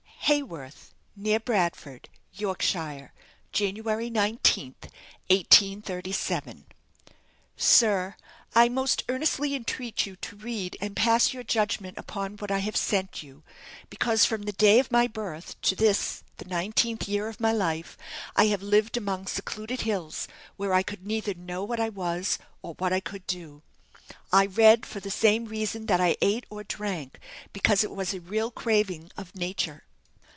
"Haworth, near Bradford, "Yorkshire, January 19, 1837. "Sir, I most earnestly entreat you to read and pass your judgment upon what I have sent you, because from the day of my birth to this the nineteenth year of my life, I have lived among secluded hills, where I could neither know what I was, or what I could do. I read for the same reason that I ate or drank; because it was a real craving of nature.